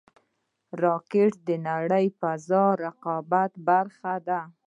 راکټ د نړیوال فضا رقابت برخه ده